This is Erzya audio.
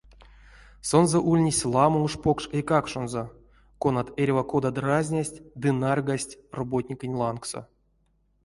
Сонзэ ульнесть ламо уш покш эйкакшонзо, конат эрьва кода дразнясть ды нарьгасть роботникенть лангсо.